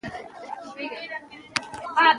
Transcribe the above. ماشومان د لوبو په ډګر کې د زړه نا زړه توب تجربه کوي.